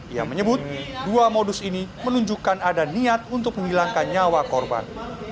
ia menyebut dua modus ini menunjukkan ada niat untuk menghilangkan nyawa korban